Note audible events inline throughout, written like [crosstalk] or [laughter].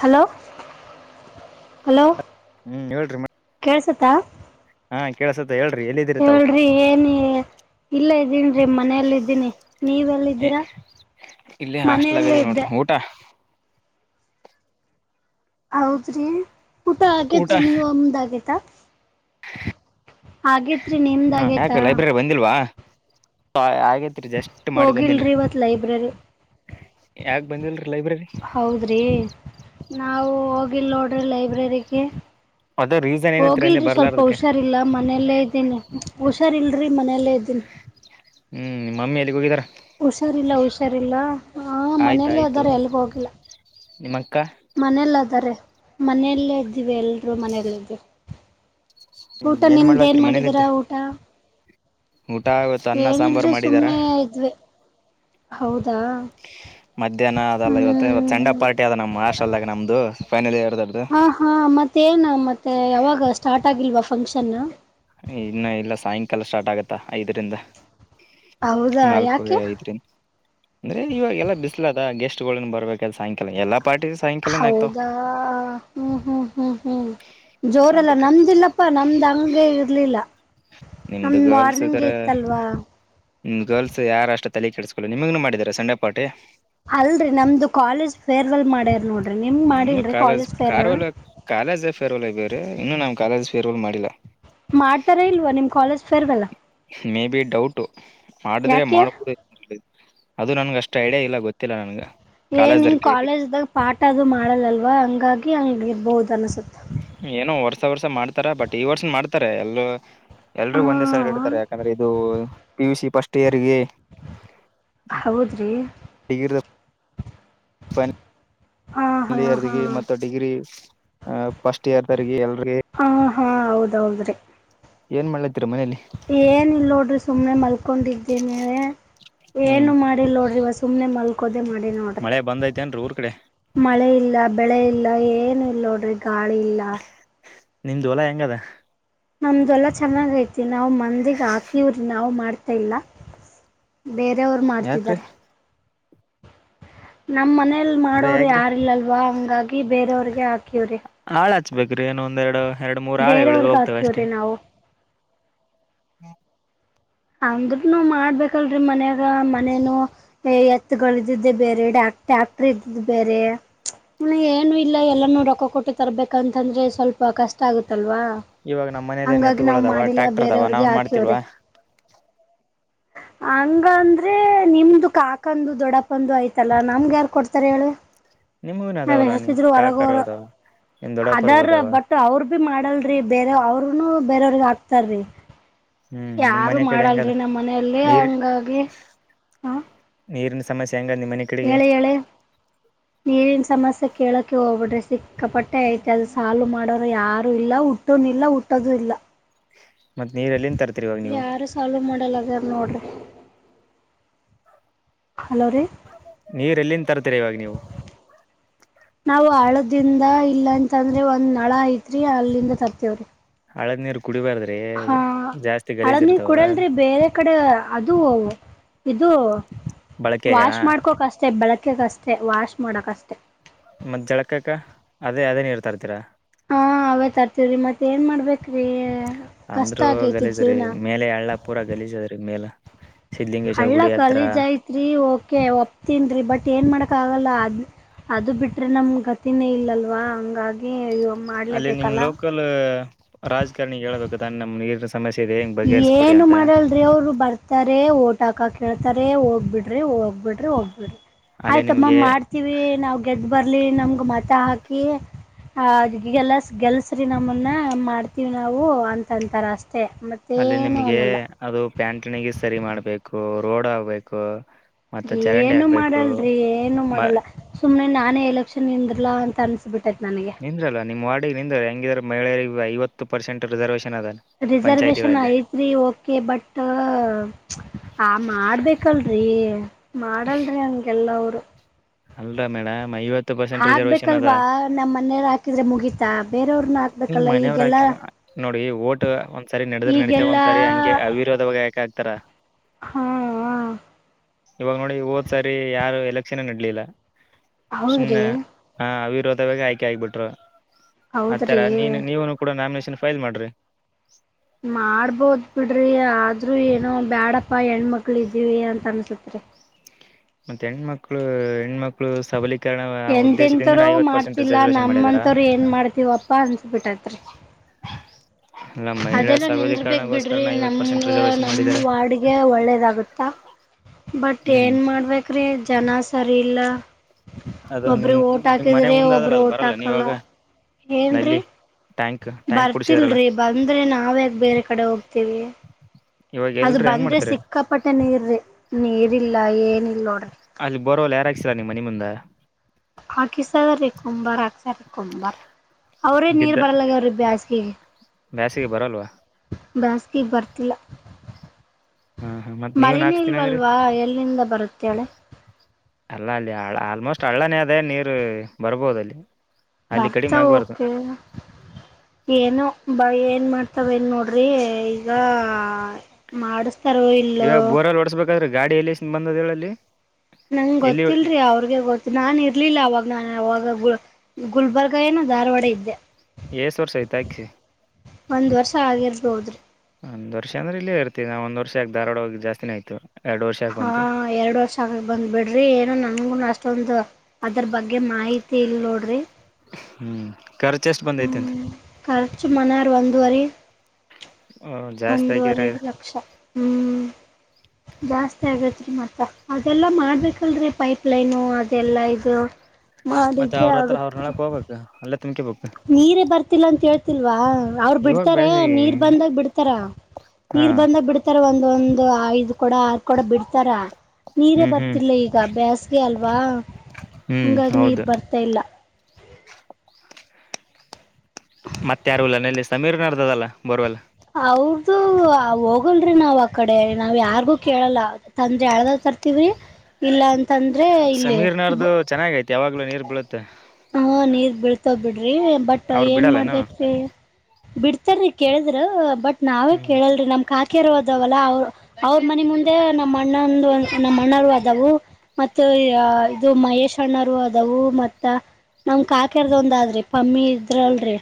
Hello hello ಹ್ಮ್ ಹೇಳ್ರಿ ಕೆಳಸ ತ್ತ ಹಾ ಕೆಳಸತ ಹೇಳ್ರಿ ಏನ ಇಲ್ಲ ಇದ್ದೀನ್ರೀ ಮನೇಲ್ಲ್ದೀನಿ ನೀವೆಲ್ಲಿದ್ದೀರಾ ಇಲ್ಲಿ ಹಾಸ್ಟೆಲ್ ಮನೇಲ್ಲ ಆಗದಿ ಇದ್ದೆ. ನೋಡ್ರಿ ಊಟ ಹೌದ್ರಿ. ಊಟ ಊಟ ಆಗೇತ್ರಿ ನೀವುಮ್ದ ಆಗೇತ್ರಿ ತ್ತ ಆಗೇತ್ರಿ ನಿಮ್ದ ಆಗೇತಾ. ಸಾಯ ಆಯ ಹೋಗಿಲ್ರಿ ಇವತ್ ಲೈಬ್ರರಿ. ಯಾಕ್ ಬಂದಿಲ್ರಿ. ಲೈಬ್ರರಿ ಹೌದ್ರಿ ನಾವು ಹೋಗಿಲ್ ನೋಡ್ರಿ ಲೈಬ್ರರಿಗೆ. ಅದ ರೀಸನ್ ಏನತ್ರಿ ಅಂದೆ ಹೋಗಿಲ್ರಿ ಸ್ವಲ್ಪ ಬರ್ಲಾರದಕ್ಕೆ ಹುಷಾರಿಲ್ಲ ಮನೆಯಲ್ಲೇ ಇದ್ದೀನಿ ಹುಷಾರ್ಲ್ರಿ ಮನೆಯಲ್ಲೇ ಇದ್ದೀನಿ. ಹ್ಮ್ ನಿಮ್ಮ ಮಮ್ಮಿ ಎಲ್ಲಿಗ ಹೋಗಿದಾರ. ಹುಷಾರಿಲ್ಲ ಹುಷಾರಿಲ್ಲ. ಹಾ ಮನೇಲಿ ಅದಾರ ಎಲ್ಗ ಹೋಗಿಲ್ಲ. ನಿಮ್ಮಕ ಮನೆಯಲ್ಲದರೆ ಮನೆಯಲ್ಲೇ ಇದ್ದೀವಿ ಎಲ್ರೂ ಮನೆಯಲ್ಲ ಇದ್ದೀವಿ. ಹ್ಮ್ ಊಟ ನಿಮ್ದ್ ಏನ್ ಮಾಡ್ಲತ್ರಿ ಮಾಡಿದೀರಾ ಮನೇಲಿದ್ದ ಊಟ. ಊಟ ಇವತ್ತು ಅನ್ನ ಸಾಂಬಾರ್ ಏಲ್ರು ಮಾಡಿದಾರ ಸುಮ್ನೆ ಇದ್ವೆ. ಮಧ್ಯಾಹ್ನ ಅದೆಲ್ಲ ಇವತ್ತು ಇವತ ಸೆಂಡಪ ಹ್ಮ್ ಪಾರ್ಟಿ ಅದ ನಮ್ಮ್ ಹಾಷ್ಟಲ್ದಾಗ ನಮ್ದು. ಪೈನಲ್ ಇಯರ್ ಹಾ ಹಾ ಮತ್ತ ಏನ್ ಮತ್ತೆ ಯಾವಾಗ ಸ್ಟಾರ್ಟ್ ಆಗಿಲ್ವಾ ಫಂಕ್ಷನ್ನು ಇನ್ನು ಇಲ್ಲ ಸಾಯಂಕಾಲ ಸ್ಟಾರ್ಟ್ ಆಗತ್ತಾ ಐದರಿಂದ ಹೌದಾ ನಾಲ್ಕೂವರೆ ಯಾಕೆ ಐದ್ರೀ [unintelligible] ಅಂದ್ರೆ ಇವಾಗ ಎಲ್ಲಾ ಬಿಸ್ಲದ ಗೆಷ್ಟ [unintelligible] ಬರ್ಬೇಕು ಸಾಯಂಕಾಲ ಎಲ್ಲ ಹೌದಾ ಹ್ಮ್ ಹ್ಮ್ ಹ್ಮ್ ಹ್ಮ್ ಜೋರಲ್ಲ ಅದಕ್ಕೆ ಇರ್ಲಿಲ್ಲ ನಮ್ ನಿಮ್ದು ಗರ್ಲ್ಸ್ ಮಾರ್ನಿಂಗ್ ಇದಾರೆ ಇತ್ತಲ್ವಾ ನಿಮ್ದ [unintelligible] ಗರ್ಲ್ಸ್ ಯಾರಷ್ಟ ತಲಿ ಕೆಡಿಸಸ್ಕೊಳ್ಳಿ ನಿಮಗನು [unintelligible] ಮಾಡಿದ್ದಾರೆ ಸಂಡೆ ಪಾಟಿ. ಅಲ್ರರಿ ನಮ್ದು ಕಾಲೇಜ್ ಫೇರ್ವೆಲ್ ಮಾಡ್ಯಾರ ನೋಡ್ ಇ [unintelligible] ಕಾಲೇಜ್ ಕಾರ್ಲ್ಲ ಕಾಲೇಜ್ ಫೇರ್ಲ್ ಬೇರೆ ಇನ್ನು ನಮ್ ಕಾಲೇಜ ಫೇರ್ವಲ್ ಮಾಡಿಲ್ಲಾ. ಫಾರೆವೆಲ್ ಹ ಮೇ ಬಿ ಡೌಟು. ಮಾಡಿದ್ರೆ ಯಾಕೆ ಮಾಡ್ [unintelligible] ಅದು ನನ್ಗೆ [unintelligible] ಅಷ್ಟು ಐಡಿಯಾ ಇಲ್ಲ ಗೊತ್ತಿಲ್ಲ ನನ್ಗೆ. ಏನ್ ನಿಮ್ ಕಾಲೇಜ್ದಾಗ ಪಾಠ ಅದು ಮಾಡಲ್ಲ ಅಲ್ವಾ ಹಂಗಾಗಿ ಹಂಗ ಇರ್ಬಹುದು ಅನ್ಸುತ್ ಏನೋ ವರ್ಸ [unintelligible] ವರ್ಷ ಮಾಡ್ತಾರ ಬಟ್ ಈ ವರ್ಷ ಮಾಡ್ತಾರ ಎಲ್ಲರು ಎಲ್ರಿಗೂ ಒಂದೇ ಸರಿ [unintelligible] ಇಡ್ತಾರೆ ಯಾಕಂದ್ರೆ ಇದು ಪಿ ಯು ಸಿ ಫಸ್ಟ್ ಸ್ಟೈಎರ್ಗೆ [unintelligible] ಹೌದ್ರಿ ಡಿಗ್ರಿ [unintelligible] ಹಾ ಸೆಕಂಡ ಹಾ ಹಾ ಇಯರಗೆ ಮತ್ತು ಡಿಗ್ರಿ ಹ ಫಸ್ಟ್ ಇಯರ್ ದರಿಗೆ [unintelligible] ಎಲ್ಲೆರ್ಗೆ ಹಾ ಹಾ ಹೌದೌದ್ರಿ ಏನ್ [unintelligible] ಏನ ಇಲ್ ನೋಡ್ರಿ ಸುಮ್ಮನೆ ಮಲ್ಕೊಂಡಿದ್ದೇನೇ. ಹ್ಮ್ ಏನು ಮಾಡಿಲ್ ನೋಡ್ರಿ ಇವ ಸುಮ್ನೆ ಮಲ್ಕೋದೆ ಮಾಡಿ ನೋಡ್ರಿ ಮಳೆ ಬಂದೈತೆೇನ್ರೀ ಊರ್ ಕಡೆ ಮಳೆ ಇಲ್ಲ ಬೆಳೆ ಇಲ್ಲ ಏನು ಇಲ್ಲ ನೋಡ್ರಿ ಗಾಳಿ ಇಲ್ಲ. ನಿಂದ್ [unintelligible] ಹೊಲಾ ಹೆಂಗದ. ನಮ್ದುಲ್ಲ [unintelligible] ಚೆನ್ನಾಗ್ ಐತಿ. ನಾವು ಮಂದಿಗೆ ಹಾಕಿವ್ರ ನಾವ್ ಮಾಡ್ ಇಲ್ಲ [unintelligible] ಬೇರೆಯವ್ರು ಯಾಕ್ರಿ ಮಾಡ್ತಿದ್ದಾರೆ. ನಾಮ ಮನೆ [unintelligible] ಮನೆಲ್ ಅದ ಮಾಡೋರ್ ಯಾಕ್ರಿ ಯಾರಿಲ್ಲಲ್ವಾ ಹಂಗಾಗಿ ಬೇರೆಯವ್ರಿಗೆ ಹಾಕಿವವ್ರಿ. ಹ [unintelligible] ಏನ್ ಒಂದೆರಡು ಬೇರವ್ರಗ ಹಾಕ್ಬೋದ [unintelligible] ನಾವು. ಅಂದ್ರನು ಮಾಡ್ಬೇಕಲ್ರಿ ಮನ್ಯಾಗ ಮನೇನು ಎತ್ತುಗಳ ಇದಿದ್ದೆ ಬೇರೆ ಡ ಟ್ಯಾಕ್ಟ್ರ ಇದ್ದಿದ್ದ ಬೇರೆ. ಇನ್ನು ಏನು ಇಲ್ಲ ಎಲ್ಲ ರೊಕ್ಕ ಕೊಟ್ಟು ತರ್ಬೇಕಂತಂದ್ರೆ ಸ್ವಲ್ಪ ಕಷ್ಟ ಆಗುತ್ತಲ್ವಾ ಇವಾಗ ನಮ್ಮ ಮನೇಲಿ ಏನ್ ಹಂಗಾಗಿ ನಾವ್ ಎತ್ತುಗೋಳದಾವ ಮಾಡಿಲ್ಲ ಟ್ಯಾಕ್ಟರ್ದಾವ ಬೇರೆಯವ್ರಿಗೆ ನಾವೇನ್ ಮಾಡ್ತಿಲ್ವ ಹಂಗ ಅಂದ್ರೆ ನಿಮ್ದು ಕಾಕಂದು ದೊಡ್ಡಪ್ಪಂದು ಆಯ್ತಲ್ಲ ನಮ್ಗ ಯಾರ ಕೊಡ್ತಾರೆ ಹೇಳು ನಿಮಗೂನು ಅದಾವಲ್ಲ ನಿಮ್ ಎಷ್ಟಿದ್ರು ಕಾಕರು ಹೊರಗೋರು ಅದಾವ ನಿಮ್ ದೊಡ್ಡಪ್ಪರು ಅದಾರ್ ಅದಾವ ಬಟ್ ಅವ್ರದು ಮಾಡಲ್ರಿ ಬೇರೆ ಅವರು ಅವನು ಬೇರೆಯವ್ರಿಗೆ ಆಗ್ತಾರಿ ಹ್ಮ್ ನಿಮ್ ಯಾರು ಮನೆ ಕಡೆ ಮಾಡಲ್ರಿ ಹೆಂಗದ ನಮ್ಮ ಮನೆಯಲ್ಲಿ ನೀರ್ ಹಂಗಾಗಿ ಹಾ ನೀರಿನ ಸಮಸ್ ಹೇಳಿ ಹೇಳೆ ನೀರಿನ ಸಮಸ್ಯೆ ಕೇಳಕ್ಕೆ ಹೋಗ್ಬಿಡ್ರಿ ಸಿಕ್ಕಪಟ್ಟೆ ಐತಿ ಅದು ಸಾಲ್ವ ಮಾಡೋರು ಯಾರು ಇಲ್ಲ ಹುಟ್ಟೂನು ಇಲ್ಲ ಹುಟ್ಟೋದು ಇಲ್ಲ ಮತ್ ನೀರ್ ಎಲ್ಲಿಂದ ತರ್ತೀರಿ ಇವಾಗ ನೀವು ಯಾರು ಸಾಲ್ವು ಮಾಡಲ್ಲದೇ ನೋಡ್ರೀ ಹಲೋ ರೀ ನೀರ್ ಎಲ್ಲಿಂದ ತರ್ತೀರಿ ಇವಾಗ ನೀವು ದಿಂದ ಇಲ್ಲ ಅಂತಂದ್ರೆ ಒಂದ್ ನಳಾ ಐತ್ರಿ ಅಲ್ಲಿಂದ ತರ್ತೇವ್ರಿ ನಳದ ನೀ ರುು ಹಾ ಅಳದ್ನೀರ್ ಇರ್ತಾವ ಕುಡೆಲ್ರಿ ಬೇರೆ ಕಡೆ ಅದು ಅವು ಇದು ಬಳಕೆಗನಾ ವಾಶ್ ಮಾಡ್ಕೋಳಾಕ ಅಷ್ಟೇ ಬೆಳತ್ ಅಕಗಷ್ಟೆ ವಾಶಷ್ ಮಾಡಕ್ಕಷ್ಟೆ ಮತ್ತ ಜಳಕಕ್ಕ ಅದೇ ಅದೇ ನೀರ್ ತರ್ತೀರಾ ಹಾ ಅವೇ ತರ್ತಿವ್ರೀ ಮತ್ತೆ ಏನ್ ಮಾಡ್ಬೇಕು ಅಂದ್ರೂ ಗಲೀಜ್ರಿ ಜೀವನ ಮೇಲೆ ಹಳ್ಳ ಪೂರ ಗಲೀಜದ್ರೀ ಮೇಲ ಸಿದ್ಲಿಂಗೇಶ್ವರ ಹಳ್ಳ ಗುಡಿ ಹತ್ರ ಕಲೀಜ್ ಐತ್ರಿ ಓಕೆ ಒಪ್ಪತಿನಿ ಬಟ್ ಏನ್ ಮಾಡ ಕ್ಕಾಗಲ್ಲ ಅದು ಅದು ಬಿಟ್ರೆೆ ನಮ್ಗತಿನೇ ಇಲ್ಲಲ್ವಾ ಹಂಗಾಗಿ ಅಲ್ಲಿ ನಿಮ್ ಮಾಡ್ಲೇಬೇಕಲ್ಲ ಲೋಕಲ್ ರಾಜಕಾರಣಿಗೆ ಹೇಳ್ಬೇಕು ತಾನೇ ನಮ್ಮ ನೀರ ಏನು ಮಾಡಲ್ರಿ ಅವರು ಬರ್ತಾರೆ ಓಟಾಕಾಕ್ ಹೇಳ್ತಾರೆ ಹೋಗ್ಬಿಡ್ರಿ ಹೋಗ್ಬಿಡ್ರಿ ಹೋಗ್ಬಿಡ್ರಿ ಅಲ್ಲಿ ಆಯ್ತಮ್ಮ ನಿಮ್ಗೆ ಮಾಡ್ತೀವಿ ನಾವ್ ಗೆದ್ದ್ ಬರ ಅಲ್ಲಿ ನಮ್ಗ ಮತ ಹಾಕಿ ಆ ಗೆಲ ಗೆಲ್ಲಿಸ್ರೀ ನಮ್ಮನ್ನ ಮಾಡ್ತೀವಿ ನಾವು ಅಂತಂತಾರ ಅಷ್ಟೇ ಅಲ್ಲಿ ಮತ್ತೇನು ನಿಮ್ಗೆ ಅನ್ನಲ್ಲ ಅದು ಪ್ಯಾಂಟನಗಿ ಸರಿ ಮಾಡ್ಬೇಕು ರೋಡ್ ಆಗ್ಬೇಕು ಮತ್ತೆ ಚರಂಡಿ ಏನು ಆಗ್ಬೇಕು ಮಾಡಲ್ರಿ ಏನು ಮ ಮಾಡಲ್ಲ ಸುಮ್ನೆ ನಾನೇ ಎಲೆಕ್ಷನ್ ನಿಂದರಲಾ ಅಂತ ತಿಸಿಬಟ್ಟು ನಿಂದ್ರಲ್ಲ ನಿಮ್ಮ ವಾಡ ನಿಂದ್ರ ಹೆಂಗಿದಾರ ಮಹಿಳೆಯರಿಗೆ ಐವತ್ತು ಪರ್ಸೆಂಟ್ ರಿಸರ್ವೇಶನ್ ಅದ ರಿಸರ್ವೇಶನ್ ಪಂಚಾಯತಿಗಳಲ್ಲಿ ಐತ್ರಿ ಓಕೆ ಬಟ್ ಆ ಮಾಡ್ಬೇಕಲ್ರರಿ ಮಾಡಲ್ರಿ ಹಗೆಲ್ಲ ಅವರು ಅಲ್ರ ಮೇಣ್ಣ ಐವತ್ತು ಪರ್ಸೆಂಟ್ ರಿಸರ್ವೇಶನ್ ಅದ ಹಾಕ್ಬೇಕಲ್ವಾ ನಮ್ಮ್ ಮನೆಯವರು ಹಾಕಿದ್ರೆ ಮುಗೀತಾ ಬೇರೆಯವ್ರನ ಹಾ ನೀ ಮನೆಯವರು ಹಾಕಿಲ್ಲ ನೋಡಿ ಓಟ್ ಒಂದ್ಸರಿ ನಡದ್ರ ನಡಿತ ಈಗೆಲ್ಲಾ ಒಂದ್ಸರಿ ಹಂಗೆ ಅವಿರೋಧವಾಗ ಹಾಗಗ್ತಾರ ಹಾ ಹ ಇವಾಗ ನೋಡಿ ಹೋದ್ ಸಾರಿ ಯಾರು ಎಲೆಕ್ಷನ್ ನಡ್ಲಿಲ್ಲ ಸುಮ್ನೆ ಹೌದ್ರಿ ಅನಿ ಹಾ ಇತ್ತ ಆಯ್ಕ ಆಗಗ್ಬಿಟ್ರು ಹೌದ್ರಿ ಆತ್ತರ ನೀನು ನೀವುನು ಕೂಡ ನಾಮಿನೆ ಫೈಲ್ ಮಾಡಿ ಮಾಡ್ಬೋದ ಬಿಡ್ರಿ ಆದ್ರೂ ಏನೋ ಬ್ಯಾಡಪ್ಪಾ ಹೆಣ್ಮಕ್ಳವಿ ಅಂತ ಅನ್ಸತ್ರಿ ಮತ್ತೆ ಹೆಣ್ಮಕ್ಳು ಹೆಣ್ಮಕ್ಳು ಸಬಲಿ ಎಂತೆ ಎಂತೋರು ಮಾಡ್ತಿಲ್ಲಾ ರಿಸರ್ವೇಶನ್ ಮಾಡಿದಾರ ನಮ್ಮಂತರು ಏನ್ ಮಾಡ್ತಿವಪ್ಪಾ ಅನ್ಸಬಿಟ್ಟತ್ರಿ ಅಲ್ಲ ಮಹಿಳಾ ಅದೆಲ್ಲ ನಿಂದರ್ಬೇಕೇ ಸಬಲೀಕರಣಗೋಸ್ಕರ ಬಿಡ್ರಿ ನಮ ಐವತ್ತು ಪರ್ಸೆಂಟ್ ರಿಸರ್ವೇಶನ್ ನಮ ಮಾಡಿದ್ದಾರೆ ವಾರ್ಡ್ಗೆ ಒಳ್ಳೇದಾಗುತ್ತ ಬಟ್ ಹ್ಮ್ ಏನ್ ಮಾಡ ಮಾಡ್ಬೇಕ್ರಿ ಜನ ಸರಿ ಇಲ್ಲ ಅದು ನಿಮ್ಮ್ ಒಬ್ಬ್ರಿಗೆ ಓಟ್ ನಿಮ್ಮ್ ಮನೆ ಹಾಕಿದ್ರೆ ಮುಂದಾದಲ್ಲ ಒಬ್ರು ಅದು ಓಟ್ ಬರಲ್ಲ ನೀವಾಗ ಹಾಕಲ್ಲ ಏನ್ರೀ ನೆಲ್ಲಿ ಟ್ಯಾಂಕ್ ಟ್ಯಾಂಕ್ ಕುಡ್ಸಿದ್ರಲ್ಲ ಅಂದ್ರೆ ನಾವ ಯಕ ಬೇರೆ ಕಡೆ ಹೋಗ್ತೀವಿ ಇವಾಗ ಅದು ಎಲ್ರು ಹೆಂಗ್ ಬಂದ್ರೆ ಮಾಡ್ತಾರೆ ಸಿಕ್ಕಾಪಟ್ಟ ನೀರ್ರೀ ನೀರಿಲ್ಲ ಏನ ಇಲ್ಲೋಡ ಅಲ್ಲಿ ಬರವಲ್ ಯಾರಾಗಕ್ಸಿಲ್ಲಾ ನಿಮ್ ಮನ ಮುಂದ ರಕಕೊಂಬರ್ ಅವ್ರೇ ನೀರ್ ಬಿದ್ದ ಬರಲ್ಲ ಆಗ್ಯವ ರಿ ಬ್ಯಾಸಗಿಗೆ ಬ್ಯಾಸಿಗೆ ಬರಲ್ವಾ ಬ್ಯಾಸ್ಕಿಗೆ ಬರ್ತಿಲ್ಲ ಹಾ ಹಾ ಮತ್ ನೀವನ್ ಹಾಕ್ಸ್ತೀನಿ ಅಂದ್ರಿ ಮಳೆನಲ್ವಲ್ವಾ ಎಲ್ಲಿಂದ ಬರುತ್ತೆಳೆ ಅಲ್ಲ ಅಲ್ಲಿ ಆಲ್ಮೋಸ್ಟ್ ಹಳ್ಳನೇ ಅದೇ ನೀರು ಬರ್ಬೋದ ಅಲ್ಲಿ ಅಲ್ಲಿ ಬರ್ತ ಕಡಿಮೆ ಆಗ್ಬಾರ್ದು ಹೋಕ್ ಏನೋ ಬ ಏನ್ ಮಾಡ್ತ ತವ ನ್ ನೋಡ್ರಿ ಈಗ ಮಾಡಿಸ ತರವ ಇಲ್ಲೊ ಇವಾಗ ಬೋರಲ್ಲಿ ಓಡಿಸ್ಬೇಕಾದ್ರೆ ಗಾಡಿ ಎಲ್ಲೇಸಿಂದ್ ಬಂದದ ಹೇಳಲ್ಲಿ ನಂಗ ಎಲ್ಲಿ ಗೊತ್ತಿಲ್ರಿ ಅವ್ರಗ ಗೊತ್ತ ನಾನ್ ಇರ್ಲಿಲ್ಲ ಅವಾಗ ನಾನ ಅವಾಗ ಗುಲ್ಬರ್ಗ ಏನೊ ಧಾರವಾಡ ಇದ್ದೆ ಎಸ್ ವರ್ಷ ಆಯ್ತು ಹಾಕಿ ಒಂದ್ ವರ್ಷ ಆಗಿರ್ಬೋದ್ರಿ ಒಂದು ವರ್ಷ ಅಂದ್ರ ಇಲ್ಲೇ ಇರ್ತತಿ ನಾ ಒಂದು ವರ್ಷಾಕ ಧಾರವಾಡೋಗ ಜಾಸ್ತಿನೇ ಆಯತು ಹಾ ಎರಡ್ ವರ್ಷ ಆಗ ಬಂದ್ ಬಿಡ್ರಿ ಏನು ನನ್ಗುನು ಅಷ್ಟ ತಂದ ಅದ್ರ ಬಗ್ಗೆ ಮಾಹಿತಿ ಇಲ್ ನೋಡ್ರಿ ಹ್ಮಞ ಖರ್ಚ ಎಷ್ಟ ಬಂದೈತೆಂತ ವರಿ ಜಾಸ್ತಿ ಆಗಿದ್ರೆ ಒಂದೂವರೆ ಲಕ್ಷ ಹ್ಮ್ ಜಾಸ್ತಿ ಆಗೇತ್ರಿ ಮತ್ತ ಅದೆಲ್ಲಾ ಮಾಡ್ಬೇಕಲ್ರರಿ ಪೈಪ್ಲೈನು ದೆಲ್ಲಾ ಇದು ಮತ್ತೆ ಮಾಡಿದ್ರೆ ಅವ್ರ ಹತ್ರ ಅವ್ರ ಆಗತ್ರು ನಳಕ್ ಹೋಗ್ಬೇಕು ಅಲ್ಲೇ ತುಂಬ್ಕಬೇಕು ನೀರೇ ಬರ್ತಿಲ್ಲ ಅಂತ ಹೇಳ್ ಇಲ್ವಾ ಅವ್ರು ಇವಾಗ ಬಿಡ್ತಾರೆ ಬೇಸಿಗೆ ನೀರ್ ಬಂದಾಗ ಬಿಡ್ತಾರ ಹಾ ನೀರ್ ಬಂದಾಗ ಬಿಡ್ತಾರ ಒಂದ ಒಂದು ಐದು ಕೂಡ ಕೂಡ ಬಿಡ್ತಾರ ನೀರೇ ಹ್ಮ್ ಹ್ಮ್ ಬರ್ತಿಲ್ಲ ಈಗ ಬೇಸ್ಗೆ ಅಲ್ವಾ ಹ್ಮ್ ಹಂಗಾಗಿ ನೀರ್ ಹೌದು ಬರ್ತಾ ಇಲ್ಲ ಮತ್ತ ಯಾರುಲ್ಲ ನೆಲ್ಲಿ ಸಮೀರ್ ನಡದಲ್ಲಾ ಬರ್ವಲ್ಲ ಅವ್ರದು ಹೋಗಲ್ರಿ ನಾವ್ ಆಕಡೆ ನಾವ್ ಯಾರ್ಗೂ ಕೇಳಲ್ಲ ತಂದ್ರೆ ಅಳ್ದ ತರ್ತಿವ್ರಿ ಇಲ್ಲ ಅಂತ ಸಮೀರ್ನಾರ್ದು ಚೆನ್ನಾಗೈತಿ ಯಾವಾಗ್ಲೂ ನೀರ್ ಬೀಳುತ್ತೆ ಹಾ ನೀರ್ ಬೀಳ್ತಾ ಬಿಟ್ಟ ರೀ ಬಟ್ ಅವ್ರು ಏನ್ ಬಿಡಲ್ಲನು ಮಾಡ್ಬೇಕೀ ಬಿಡ್ತಾರಿ ಕೇಳಿದ್ರ ಬಟ್ ನಾವೇ ಹ್ಮ್ ಕೇಳಲ್ರಿ ನಮ್ ಕಾ ಅಕ್ಕರು ಅದಾವಲ್ಲ ಅವರು ಅವ್ರ ಮನೆ ಮುಂದೆ ನಮ್ಮ ಅಣ್ಣಂದು ನಮ್ಮ ಅಣ್ಣರು ಅದವು ಮತ್ತು ಇದು ಮಹೇಶ್ ಅಣ್ಣರು ಅದವು ಮತ್ತು ಮ ನಮ ಕಾಕರ್ದ ಒಂದಾದ್ರಿ ಪಮ್ಮಿ ಇದ್ರಲ್ರಿ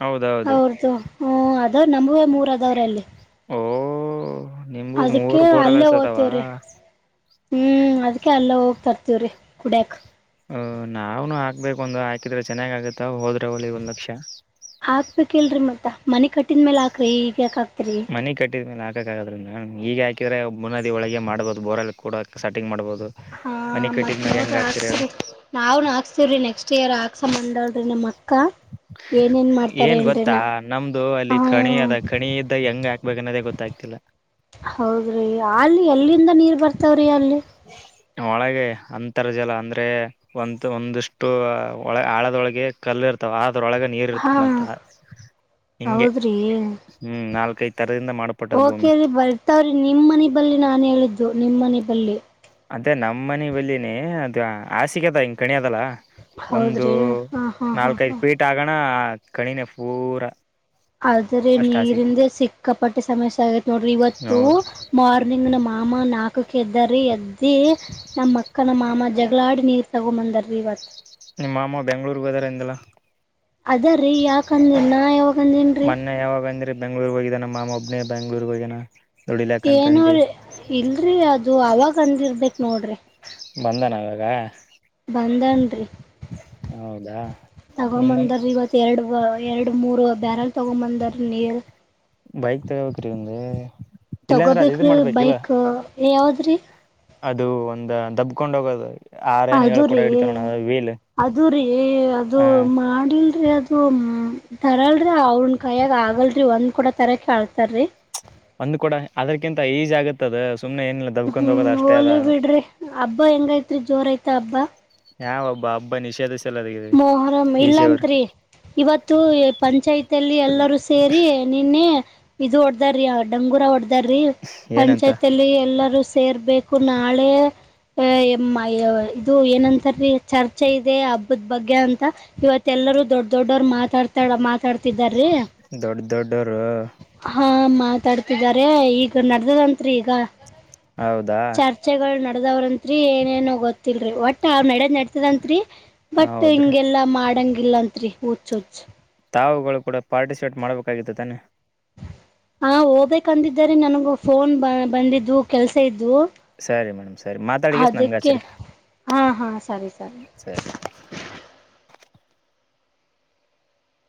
ಹೌದೌದು ಹ ಅದಾವ್ ನಮಗೆ ಮೂರ ಅದಾವರು ಅಲ್ಲಿ ಹ [inaudible] ನಿಮ್ಗು ಅದಕ್ಕೆ ಮೂರ್ ಅಲ್ಲೇ ಬೋರ್ಲ್ಲಸದಾವ ಓದ್ತೇವ್ರಿ ಹ್ಮ್ ಅದ್ಕ ಅಲ್ಲ ಹೋಗ್ತರ್ತವ್ರಿ ಕುಡ್ಯಕ್ ಹ ನಾವ್ನುೂ ಹಾಕ್ಬೇಕ ಒಂದು್ ಹಾಕಿದ್ರೆ ಚೆನ್ನಾಗ್ ಆಗತ್ತ ಹೋದ್ರ ದಾವಳ ಒಂದು ಲಕ್ಷ ಕಲ್ರಿ ಮತ್ತ ಮಿ ಕಟ್ಟಿದ ಮೇಲ್ ಹಾಕ್ರಿ ಈಗ ಯಾಕಕ್ ಮನಿ ಕಟ್ಟಿದ್ಮೇಲೆ ಹಾಕಕಾಗಲ್ಲೀರಿ ಈಗ ಹಾಕಿದ್ರೆ ಮುನದಿ ಒಳಗೆ ಮಾಡಬಹುದು ಬೋರ್ಲ್ಲಿ ಕೂಡ ಸಟಿಂಗ್ ಮಾಡ್ಬಹುದು ಹಾ ಮತ್ತ್ ನೋಡ್ರಿ ಹಾಕ್ಸ್ರಿ ನಾವ್ನ್ ಹಾಕ್ಸ್ತಿವ್ರಿ ನೆಕ್ಸ್ಟ್ ಇಯರ್ ಹಾಕ್ಸ ಮಂಡಳ ಪ್ರಣಮ್ಮ ಏನ ಏನ್ ಮಾಡ್ತಾರ ಏನ್ರೀ ಗೊತ್ತಾ ನ ನಮ್ದು ಅಲ್ಲಿ ಹ ಕಣಿ ಅದ ಕಣಿ ಇದ್ದಾಗ ಹೆಂಗ್ ಹಾಕ್ಬೇಕ ಅನ್ನೋದೇ ಗೊತ್ತಾಗ್ತಿಲ್ಲ ಹೌದ್ರಿ ಅಲ್ಲಿ ಎಲ್ಲಿಂದ ನೀರ್ ಬರ್ತ ಸಯಾಲ ಒಳಗೆ ಅಂತರ್ಜಲ ಅಂದ್ರೆ ಒ ಒಂದಿಷ್ಟು ಒಳ ಆಳದೊಳಗೆ ಕಲ್ಲು ಇರ್ತಾವ ಅದ್ರೊಳಗೆ ನೀರ್ ಹಾ ಇರ್ತದ ಮತ್ತ ಹಿಂಗೆ ಹೌದ್ರಿ ಹ್ಮ್ ನಾಲ್ಕೈದ್ ತರದಿಂದ ಮಾಡಪಟ್ಟದ ಭೂಮಿ ಓಕೆರಿ ಬರ್ತಾವ್ರಿ ನಿಮ್ ಮನ ಬಳಿ ನಾನ್ ಹೇಳಿದ್ದು ನಿಮ್ಮನೆ ಬಲ್ಲಿ ಮತ್ತೇ ನಮ್ಮ ಮನ ಬಲ್ಲಿನೇ ಅದು ಆಸಿಕೆ ಅದ ಹಿಂಗೆ ಕಣಿ ಅದಲ್ಲ ಒಂದು ಹೌದ್ರಿ ಹಾ ಹಾ ಹಾ ಹಾ ನಾಲ್ಕೈದು್ ಫೀಟ್ ಆಗಣ ಕಣಿನೆ ಪೂರ ಆದ್ರೆ ಅಷ್ಟ ಹಾಸಿಗೆ ನೀರಿಂದ ಸಿಕ್ಕಾಪಟ್ಟೆ ಸಮಸ್ಯೆ ಆಗೈತ್ ನೋಡ್ರಿ ಇವತ್ತು ಹೌದು ಮಾರ್ನಿಂಗ್ ನ ನಮ್ಮ ಅಮ್ಮ ನಕ್ಕ್ ಎದ್ದರಿ ನಮ್ಮ ಕ್ಕನ ಮಾಮ ಜಗಳಾಡಿ ನೀರ್ ಸಗುಮಂದರ್ ರೀವತ್ ನಿಮ್ಮ ಮಾಮ್ಮ ಬೆಂಗಳೂರ್ಗ್ ಹದಾರ ಎಂದಲ್ಲಾ ಅದ್ರರಿ ಯಾಕಂದಿನ್ ನಾ ಯಾವಾಗಂದನ್ರಿ ಬೆಂಗ್ಳೂರ್ ಹೋಗಿದಾನ ನ ಮಾ ಮೊಬ್ನ ಬ ಬೆಂಗ್ೂರ್ ಹೋಗ್ಯಾನ ದುಡಿಲಕಂತಂದಿ ಏನುೋ್ರಿ ಇಲ್ರಿ ಅದು ಇದು ಅವಾಗ ಅಂದಿರ್ಬೇಕಕ್ ನೋಡ್ರಿ [unintelligible] ಬಂದಾನ ಅವವಾಗ ಬಂದನ್ರಿ ಹೌದಾ ನಿಮ್ಮ ತಗೊಂಬಂದರ ಇವತ್ ಎರಡು ಎರಡು ಮೂರು ಬ್ಯಾರಲ್ ತಗೊಂಡಂಬಂದ್ರ ನೀರ್ [unintelligible] ಬೈಕ್ ತವಕ್ರೀಂದ ತಗೋಬೇಕ್ರೀ ಬೈಕ್ ಇ ಯಾಾವ್ದ್ರೀ ಅದು ಒಂದ ದಬ್ಕೊಂಡ ಹೋಗೋದು ಆರೇನು ಅದ ಏಳು ಕೊಡ ರೀ ಹಿಡಿತಾವ ನೋಡ ವೀಲ್ ಅದು ರೀ ಅದು ಆ ಮಾಡಲ್ರಿ ಅದು [unintelligible] ತರಲ್ರರಿ ಅವನ್ ಕಾಯಯಾಗ ಆಗಲ್ರಿ ಒಂದ್ ಕೂಡ ತರಕ ಆಳ್ತಾರರಿ [unintelligible] ಒಂದ್ ಕೂಡ ಅದ್ರಕಿಂತ ಈಜ ಆಗತ್ತದ ಹ್ಮ್ ಹೋಲಿ ಬಿಡ್ರಿ ಹಬ್ಬಾ ಹೆಂಗೈತ್ರಿ ಜೋರ ಐತ ಹಬ್ಬಾ ಯಾವ ಒಬ್ಬ ಹಬ್ಬ ನಿಷೇಧ [unintelligible] ಮೊಹರಂ ಇಲ್ಲಾಂತ್ರಿ ಇವತ್ತು ಪಂಚಾಯತ್ ಅಲ್ಲಿ ಎಲ್ಲರೂ ಸೇರಿ ನಿನ್ನೆ ಇದು ಹೊಡ್ಡದ ರೀ ಡಂಗೂರ ಹೊಡ್ದ ಏನಂತ ಪಂಚಾಯತಿ ಅಲ್ಲಿ ಎಲ್ಲರೂ ಸೇರ್ಬೇಕು ನಾಳೆ ಎ ಇದು ಏನಂತರೀ ಚರ್ಚೆ ಇದೆ ಬಗ್ಗೆ ಅಂತ ಇವತ್ತ ಎಲ್ಲರೂ ದೊಡ್ಡ ದೊಡ್ಡವರು ಮಾತಾಡ್ತಾ ಮಾತಾಡ್ತಿದ ರ ದೊಡ್ಡ ದೊಡ್ಡವರು ಹಾ ಮಾತಡ್ತಿದಿದ್ದಾರೆ ಈಗ ನಡ್ದದಂತ್ರಿ ಈಗ ಹೌದಾ ಚರ್ಚೆಗಳು ನಡದವ್ರಂತ್ರಿ ಏನೇನೋ ಗೊತ್ತಿಲ್ರರಿ ಒಟ್ ಅವ್ ನಡ್ ನಾಡ್ಸಿದನ್ರಿ ಬಟ್ ಹೌದ್ರಿ ಹಿಂಗೆಲ್ಲಾ ಮಾಡಂಗಿ ಗಿಲಂತ್ರಿ ಹುಚ್ ಹುಚ್ ತಾವುಗಳು ಕೂಡ ಪಾರ್ಟಿಸಿಪೇಟ್ ಮಾಡ್ಬೇಕಾಗಿತ್ತು ತಾನೆ ಹ ಹೋಗ್ಬೇಕಂದಿದ್ದರಿ ನನಗ ಫೋನ್ ಬ ಬಂದಿದ್ದು ಕೆಲ್ಸ ಇದ್ವು ಸರಿ ಮೇಡಮ್ ಸರಿ ಮಾತಾಡಿಗೆ ನಮ್ಗೆ ಹಚ್ಚರಿ ಹಾ ಹಾ ಸರಿ ಸರಿ